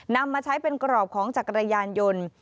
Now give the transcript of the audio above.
นำมาใช้เป็นกรอบของจักรยานยนต์